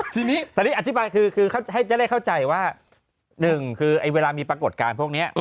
ทีนี้ตอนนี้อธิบายคือเขาจะได้เข้าใจว่าหนึ่งคือเวลามีปรากฏการณ์พวกนี้